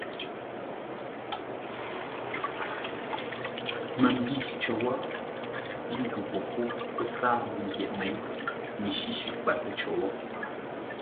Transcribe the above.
Məmbî cər wó ə́ ndu popó pə́ sáa məmbyeʼ měi mi shíshí kwatə cər wó.